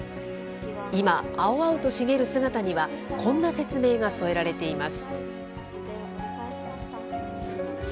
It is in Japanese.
今、青々と茂る姿には、こんな説明が添えられています。